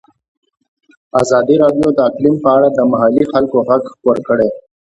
ازادي راډیو د اقلیم په اړه د محلي خلکو غږ خپور کړی.